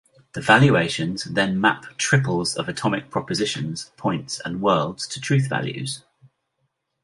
The valuations then map triples of atomic propositions, points, and worlds to truth values.